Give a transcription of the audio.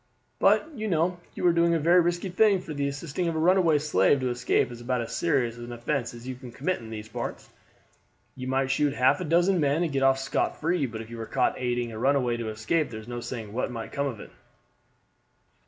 But, you know, you are doing a very risky thing; for the assisting of a runaway slave to escape is about as serious an offense as you can commit in these parts. You might shoot half a dozen men and get off scot free, but if you were caught aiding a runaway to escape there is no saying what might come of it."